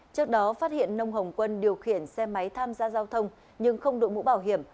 trước đó phát hiện nông hồng quân điều khiển xe máy tham gia giao thông nhưng không đội mũ bảo hiểm